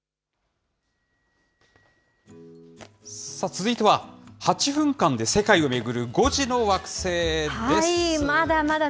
続いては、８分間で世界を巡る、５時の惑星です。